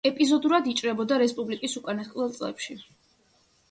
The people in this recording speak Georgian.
ეპიზოდურად იჭრებოდა რესპუბლიკის უკანასკნელ წლებში.